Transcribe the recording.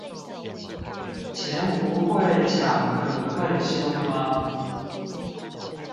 錢不會搶得更兇嗎？